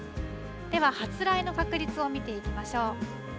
では、発雷の確率を見ていきましょう。